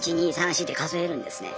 １２３４って数えるんですね。